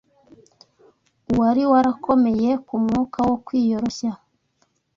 uwari warakomeye ku mwuka wo kwiyoroshya